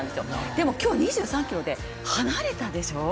でも今日、２３ｋｍで離れたでしょ？